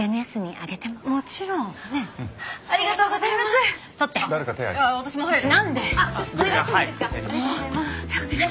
あっお願いしてもいいですか？